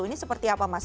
ini seperti apa mas